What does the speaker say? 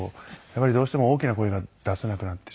やっぱりどうしても大きな声が出せなくなってしまって。